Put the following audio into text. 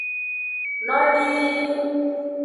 Nodii.